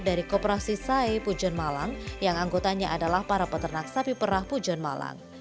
dari koperasi sai pujon malang yang anggotanya adalah para peternak sapi perah pujon malang